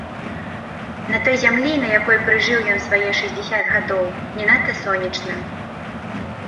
На той зямлі, на якой прыжыў ён свае шэсцьдзесят гадоў, не надта сонечна.